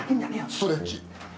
ストレッチ。